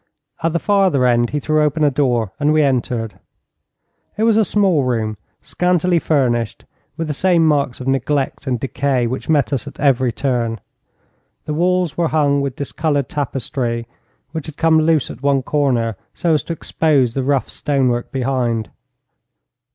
At the farther end he threw open a door, and we entered. It was a small room, scantily furnished, with the same marks of neglect and decay which met us at every turn. The walls were hung with discoloured tapestry, which had come loose at one corner, so as to expose the rough stonework behind.